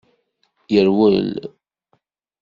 Yerwel.